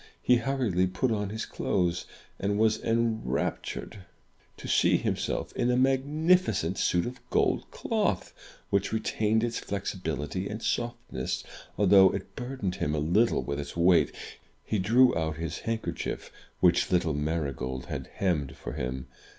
He hurriedly put on his clothes, and was enraptured 278 THROUGH FAIRY HALLS to see himself in a magnificent suit of gold cloth, which retained its flexibility and softness, although it burdened him a little with its weight. He drew out his handkerchief, which little Marygold had hemmed for him.